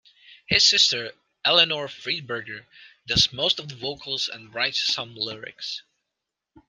His sister, Eleanor Friedberger, does most of the vocals and writes some lyrics.